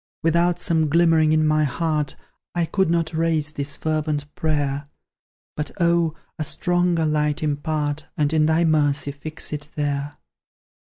Without some glimmering in my heart, I could not raise this fervent prayer; But, oh! a stronger light impart, And in Thy mercy fix it there.